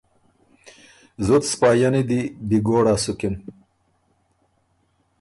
زُت سپاهينی دی بهګوړا سُکِن۔